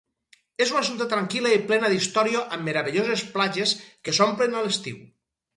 És una ciutat tranquil·la i plena d'història amb meravelloses platges que s'omplen a l'estiu.